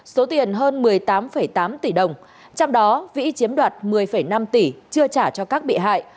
số tiền hơn một mươi tám tám tỷ đồng trong đó vĩ chiếm đoạt một mươi năm tỷ chưa trả cho các bị hại